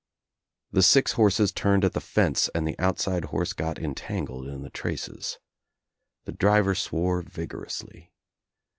The six horses turned at the fence and the outside horse got entangled in the traces. The driver swore vigorously.